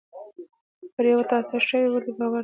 يره په تاڅه شوي ولې باور نه کوې.